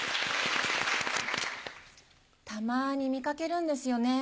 たまに見掛けるんですよね。